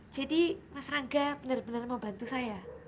jadi mas rangga bener bener mau bantu saya